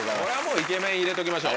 「イケメン」入れときましょう。